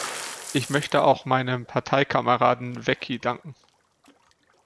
Ich möchte auch meinem Parteikameraden Vecchi danken.